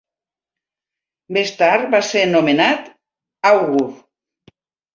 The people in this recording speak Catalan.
Més tard va ser nomenat àugur.